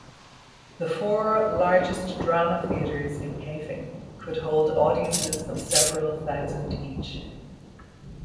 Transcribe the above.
The four largest drama theatres in Kaifeng could hold audiences of several thousand each.